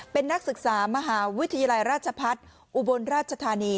เป็นนักศึกษามหาวิทยาลัยราชพัฒน์อุบลราชธานี